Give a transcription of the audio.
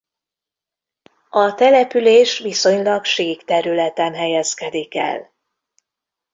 A település viszonylag sík területen helyezkedik el.